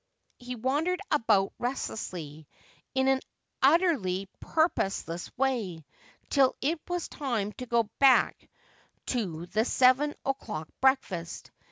He wandered about restlessly, in an utterly purposeless way, till it was time to go back to the seven o'clock breakfast.